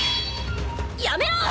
やめろ！